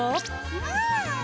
うん！